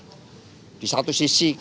di satu sisi kita tidak bisa menyalahkan